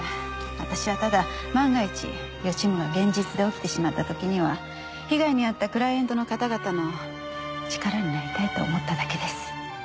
私はただ万が一予知夢が現実で起きてしまった時には被害に遭ったクライエントの方々の力になりたいと思っただけです。